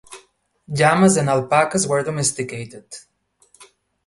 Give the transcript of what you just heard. Llamas and alpacas were domesticated.